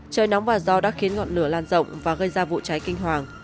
trời nóng và gió đã khiến ngọn lửa lan rộng và gây ra vụ cháy kinh hoàng